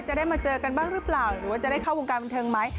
จะได้มาเจอกันบ้างหรือเปล่าหรือว่าจะได้เข้าวงการบันเทิงไหม